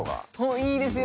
いいですよね。